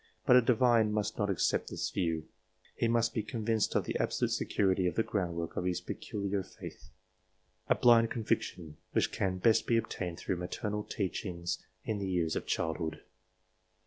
But a divine must not accept this view ; he must be convinced of the absolute security of the groundwork of his peculiar faith, a blind conviction which can best be obtained through maternal teachings in the years of childhood.